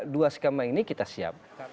dua skema ini kita siap